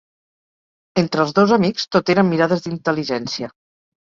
Entre els dos amics, tot eren mirades d'intel·ligència.